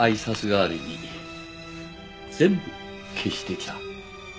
代わりに全部消してきた。